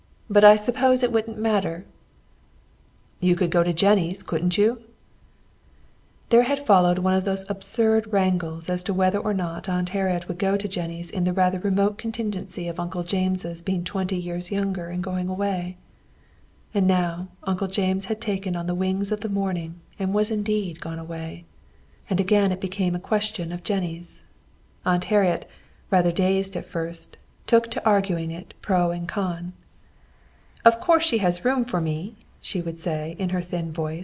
"But I suppose I wouldn't matter." "You could go to Jennie's, couldn't you?" There had followed one of those absurd wrangles as to whether or not Aunt Harriet would go to Jennie's in the rather remote contingency of Uncle James' becoming twenty years younger and going away. And now Uncle James had taken on the wings of the morning and was indeed gone away. And again it became a question of Jennie's. Aunt Harriet, rather dazed at first, took to arguing it pro and con.